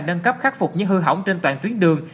nâng cấp khắc phục những hư hỏng trên toàn tuyến đường